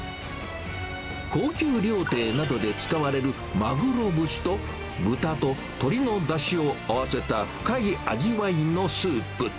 高級料亭などで使われるマグロ節と、豚と鶏のだしを合わせた深い味わいのスープ。